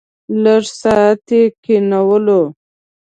لږ ساعت یې کېنولو.